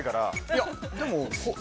いやでも。